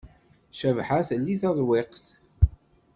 Cabḥa telli taḍwiqt.